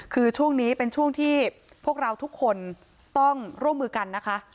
คือช่วงนี้เป็นช่วงที่พวกเราทุกคนต้องร่วมมือกันนะคะ